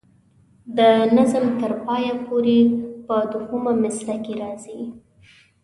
د نظم تر پایه پورې په دوهمه مصره کې راځي.